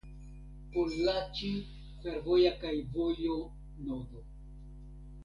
Pollaĉi fervoja kaj vojo nodo.